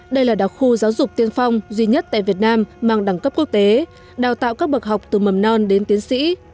đây là đặc khu giáo dục tiên phong duy nhất tại việt nam mang đẳng cấp quốc tế đào tạo các bậc học từ mầm non đến tiến sĩ